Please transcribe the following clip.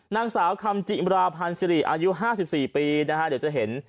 นางสาวคำจิมราพันธ์สิริอายุ๕๔ปีนะฮะเดี๋ยวจะเห็น